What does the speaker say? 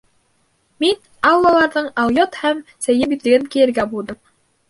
Мин Аллаларҙың алйот һәм сәйер битлеген кейергә булдым.